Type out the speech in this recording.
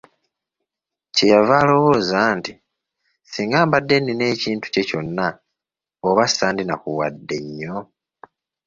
Kye yava alowooza nti, Singa mbadde nnina ekintu kye kyonna oba sandinakuwadde nnyo?